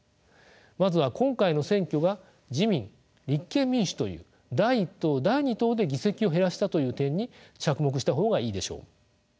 まずは今回の選挙が自民・立憲民主という第１党第２党で議席を滅らしたという点に着目した方がいいでしょう。